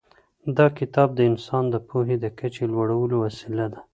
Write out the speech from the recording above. دا کتاب د انسان د پوهې د کچې د لوړولو وسیله ده.